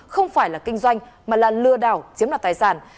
không phải là kinh doanh mà là lừa đảo chiếm đoạt tài sản